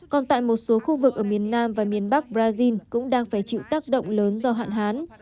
còn tại một số khu vực ở miền nam và miền bắc brazil cũng đang phải chịu tác động lớn do hạn hán